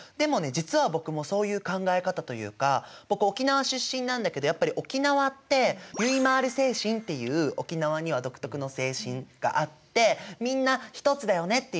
実は僕もそういう考え方というか僕沖縄出身なんだけどやっぱり沖縄ってゆいまーる精神っていう沖縄には独特の精神があってみんな一つだよねっていう意味なのね。